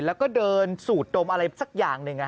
แล้วก็เดินสูดดมอะไรสักอย่างหนึ่ง